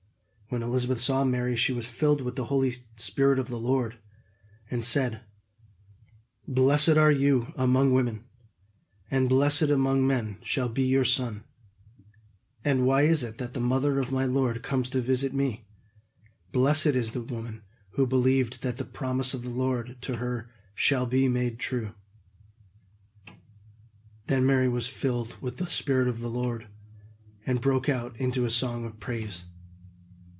When Elizabeth saw Mary, she was filled with the Spirit of the Lord, and said: "Blessed are you among women, and blessed among men shall be your son! And why is it that the mother of my Lord comes to visit me? Blessed is the woman who believed that the promise of the Lord to her shall be made true!" Then Mary was filled with the Spirit of the Lord, and broke out into a song of praise.